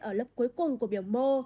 ở lớp cuối cùng của biểu mô